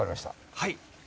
はい。